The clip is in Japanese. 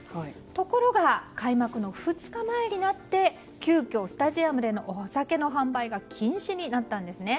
ところが、開幕の２日前になって急きょ、スタジアムでのお酒の販売が禁止になったんです。